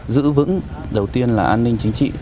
giữ vững đầu tiên là an ninh chính trị